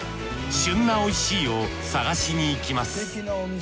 旬なおいしいを探しにいきます。